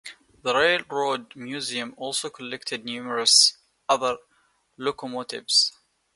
The Railroad Museum also collected numerous other locomotives.